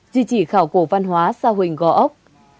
duy trì khảo cổ văn hóa sa huỳnh gò ốc